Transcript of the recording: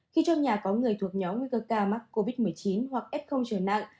khi trong nhà có người thuộc nhóm nguy cơ ca mắc covid một mươi chín hoặc f trở nặng